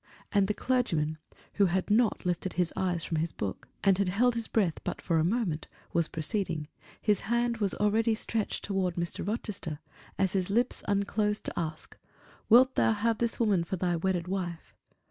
And the clergyman, who had not lifted his eyes from his book, and had held his breath but for a moment, was proceeding; his hand was already stretched toward. Mr. Rochester, as his lips unclosed to ask, "Wilt thou have this woman for thy wedded wife?"